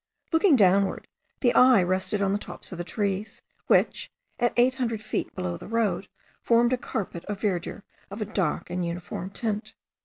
Looking downward, the eye rested on the tops of the trees, which, at eight hundred feet below the road, formed a carpet of verdure of a dark and uniform tint.